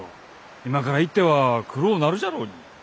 今から行っては暗うなるじゃろうに。